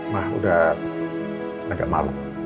mah udah agak malu